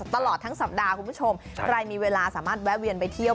ตลอดทั้งสัปดาห์คุณผู้ชมใครมีเวลาสามารถแวะเวียนไปเที่ยว